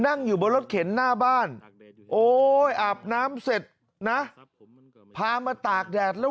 นั่งอยู่บนรถเข็นหน้าบ้านโอ้ยอาบน้ำเสร็จนะพามาตากแดดแล้ว